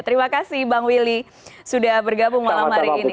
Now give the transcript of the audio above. terima kasih bang willy sudah bergabung malam hari ini